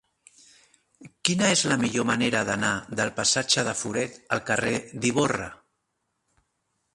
Quina és la millor manera d'anar del passatge de Foret al carrer d'Ivorra?